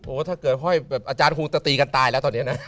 ถ้าเกิดห้อยแบบอาจารย์ครูจะตีกันตายแล้วตอนนี้นะ